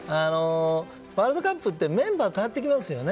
ワールドカップってメンバーが変わってきますよね。